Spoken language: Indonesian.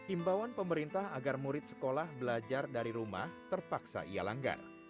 imbauan pemerintah agar murid sekolah belajar dari rumah terpaksa ia langgar